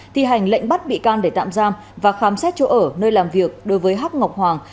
thi hành lệnh bắt bị can để tạm giam và khám xét chỗ ở nơi làm việc đối với hắc ngọc hoàng